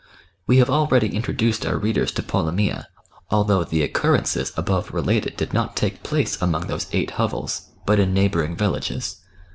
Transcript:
We have already introduced our readers to Polomyja, although the occurrences above related did not take place among those eight hovels, but in neighbouring villages.